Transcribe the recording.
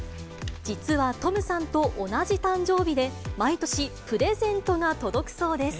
実はトムさんと同じ誕生日で、毎年、プレゼントが届くそうです。